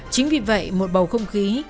chính vì vậy một bầu không khí